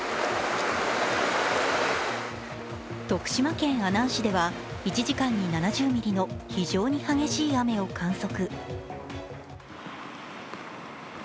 徳島県阿南市では１時間に７０ミリの非常に激しい雨を観測。